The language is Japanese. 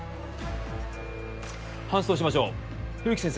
搬送しましょう冬木先生